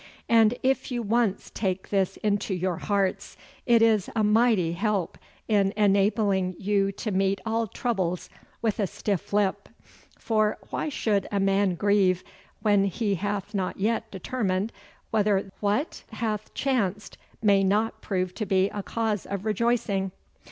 And if you once take this into your hearts, it is a mighty help in enabling you to meet all troubles with a stiff lip; for why should a man grieve when he hath not yet determined whether what hath chanced may not prove to be a cause of rejoicing.